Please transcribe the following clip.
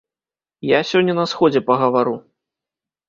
Я сёння на сходзе пагавару.